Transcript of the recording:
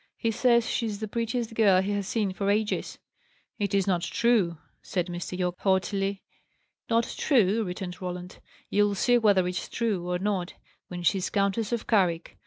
He says she's the prettiest girl he has seen for ages." "It is not true," said Mr. Yorke, haughtily. "Not true!" returned Roland. "You'll see whether it's true or not, when she's Countess of Carrick.